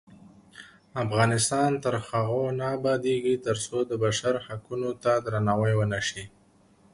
افغانستان تر هغو نه ابادیږي، ترڅو د بشر حقونو ته درناوی ونشي.